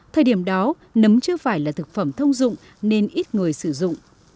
thời điểm đó nấm chưa phải là thực phẩm thông dụng nên ít người sử dụng